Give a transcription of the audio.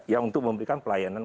yang untuk memberikan pelayanan